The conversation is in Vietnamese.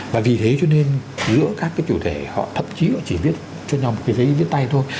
và vì thế cho nên giữa các cái chủ thể họ thậm chí họ chỉ viết cho nhau một cái giấy viết tay thôi